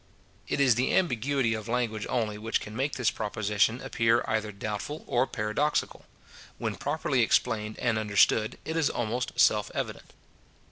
It is the ambiguity of language only which can make this proposition appear either doubtful or paradoxical. When properly explained and understood, it is almost self evident.